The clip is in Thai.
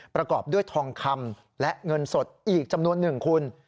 ประกอบด้วยทองคำและเงินสดอีกจำนวนหนึ่งคุณ